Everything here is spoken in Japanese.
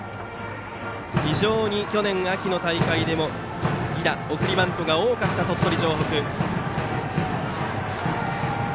非常に去年秋の大会でも犠打、送りバントが多かった鳥取城北。